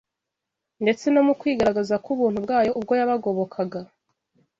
ndetse no mu kwigaragaza k’ubuntu bwayo ubwo yabagobokaga